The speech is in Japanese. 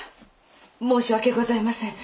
申し訳ございません。